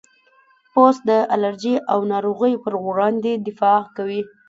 پوست د الرجي او ناروغیو پر وړاندې دفاع کوي.